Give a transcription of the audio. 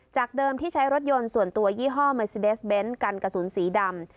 เดิมที่ใช้รถยนต์ส่วนตัวยี่ห้อเมซิเดสเบนท์กันกระสุนสีดำ